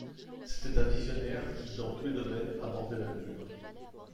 C'était un visionnaire qui, dans tous les domaines, abordait l'avenir.